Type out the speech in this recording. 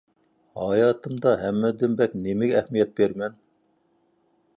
ھاياتىمدا ھەممىدىن بەك نېمىگە ئەھمىيەت بېرىمەن؟